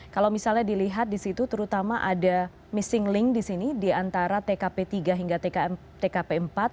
kalau misalnya dilihat di situ terutama ada missing link di sini di antara tkp tiga hingga tkp empat